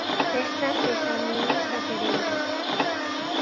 Festas de San Luís da Pereira.